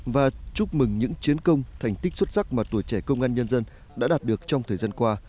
và chúc mừng những chiến công thành tích xuất sắc mà tuổi trẻ công an nhân dân đã đạt được trong thời gian qua